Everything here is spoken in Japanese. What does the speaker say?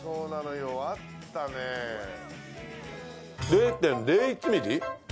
０．０１ミリ？